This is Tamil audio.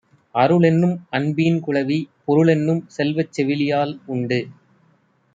அருளென்னும் அன்பீன் குழவி, பொருளென்னும் செல்வச் செவிலியால் உண்டு.